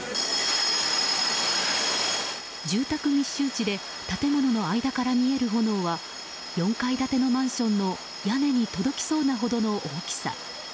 住宅密集地で建物の間から見える炎は４階建てのマンションの屋根に届きそうなほどの大きさ。